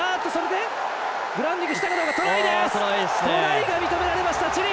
トライが認められました、チリ！